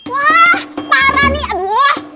wah parah nih aduh